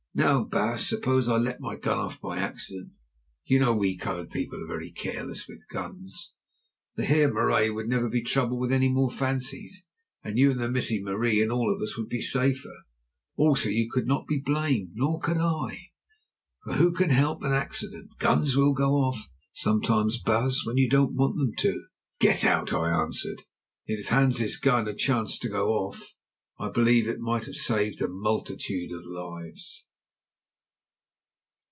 Now, baas, suppose I let my gun off by accident; you know we coloured people are very careless with guns! The Heer Marais would never be troubled with any more fancies, and you and the Missie Marie and all of us would be safer. Also, you could not be blamed, nor could I, for who can help an accident? Guns will go off sometimes, baas, when you don't want them to." "Get out," I answered. Yet if Hans's gun had chanced to "go off," I believe it might have saved a multitude of lives!